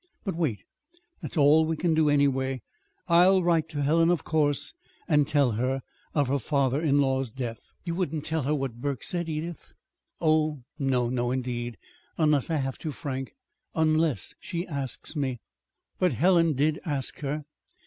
But wait. That's all we can do, anyway. I'll write to Helen, of course, and tell her of her father in law's death, but " "You wouldn't tell her what Burke said, Edith!" "Oh, no, no, indeed! unless I have to, Frank unless she asks me." But Helen did ask her.